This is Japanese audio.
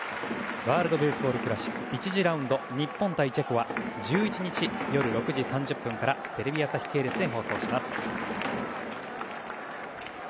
ワールド・ベースボール・クラシック、１次ラウンド日本対チェコは１１日夜６時３０分からテレビ朝日系列で放送します。